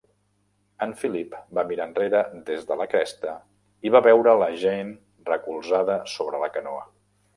En Philip va mirar enrere des de la cresta i va veure la Jeanne recolzada sobre la canoa.